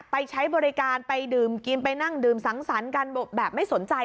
ใช้บริการไปดื่มกินไปนั่งดื่มสังสรรค์กันแบบไม่สนใจ